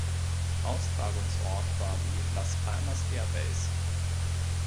Austragungsort war die Las Palmas Air Base.